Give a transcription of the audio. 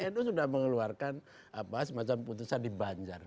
nu sudah mengeluarkan semacam putusan di banjar